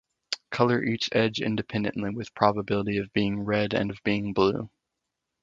Color each edge independently with probability of being red and of being blue.